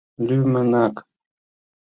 — Лӱмынак?!